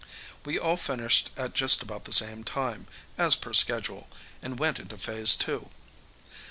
We all finished at just about the same time, as per schedule, and went into Phase Two.